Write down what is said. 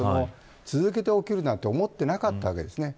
続けて起きると思っていなかったわけですね。